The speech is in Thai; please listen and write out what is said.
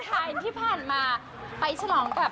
ที่ผ่านมาไปฉลองกับ